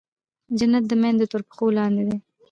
جنت د مېندو تر پښو لاندې دی.